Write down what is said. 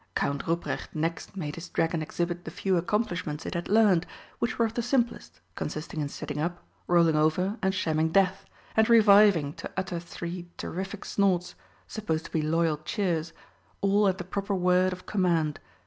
Count Ruprecht next made his dragon exhibit the few accomplishments it had learnt, which were of the simplest, consisting in sitting up, rolling over and shamming death, and reviving to utter three terrific snorts, supposed to be loyal cheers, all at the proper word of command.